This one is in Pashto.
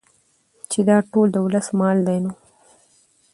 چې دا ټول د ولس مال دى نو